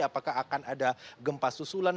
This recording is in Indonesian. apakah akan ada gempa susulan